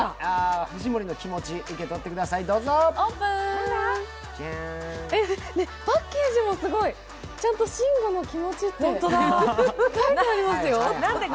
藤森の気持ち、受け取ってくださいパッケージもすごい、ちゃんと「慎吾のキモチ」って書いてありますよ。